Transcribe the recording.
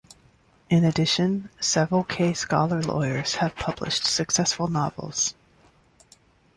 In addition, several Kaye Scholer lawyers have published successful novels.